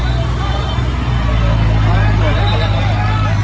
อันนี้ก็มันถูกประโยชน์ก่อน